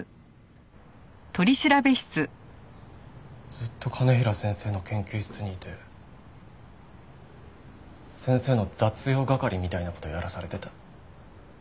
ずっと兼平先生の研究室にいて先生の雑用係みたいな事をやらされてた。